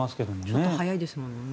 ちょっと早いですものね。